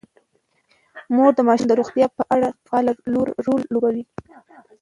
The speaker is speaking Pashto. مور د ماشومانو د روغتیا په اړه فعال رول لوبوي.